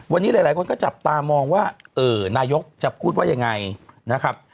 วันนี้หลายคนก็จับตามองว่านายกจะพูดว่ายังไงนะครับ